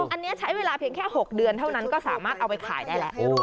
อันนี้ใช้เวลาเพียงแค่๖เดือนเท่านั้นก็สามารถเอาไปขายได้แล้ว